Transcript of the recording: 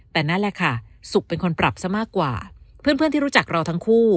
แต่นั่นแหละค่ะสุขเป็นคนปรับซะมากกว่าเพื่อนที่รู้จักเราทั้งคู่